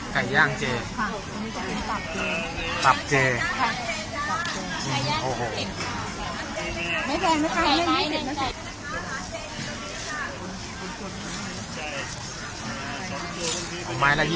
ไก่ย่างเจนะคะไก่ย่างเจเอาส้มตำเจมีนะคะส้มตำค่ะเอาเดินมาดู